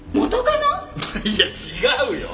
いや違うよ！